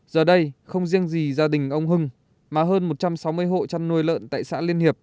giờ đây không riêng gì gia đình ông hưng mà hơn một trăm sáu mươi hộ chăn nuôi lợn tại xã liên hiệp